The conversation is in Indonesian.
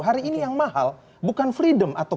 hari ini yang mahal bukan freedom atau